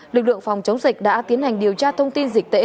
lực lượng phòng chống dịch đã tiến hành điều tra thông tin dịch tễ